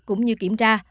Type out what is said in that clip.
cũng như kiểm tra